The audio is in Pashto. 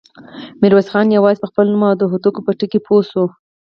ميرويس خان يواځې په خپل نوم او د هوتکو په ټکي پوه شو.